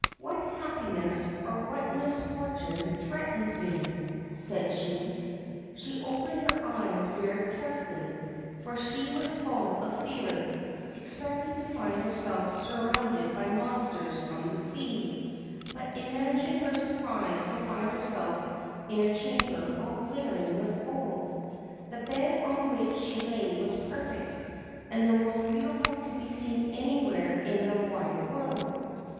' What happiness or what misfortune threatens me ?' said she. She opened her eyes very carefully, for she was full of fear, expecting to find herself sur rounded by monsters from the sea ; but, imagine her surprise to find herself in a chamber all glittering with gold I The bed on which she lay was perfect, and the most beautiful to be seen anywhere in the wide world.